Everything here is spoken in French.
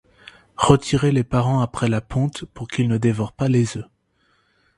Retirer les parents après la ponte pour qu'ils ne dévorent pas les œufs.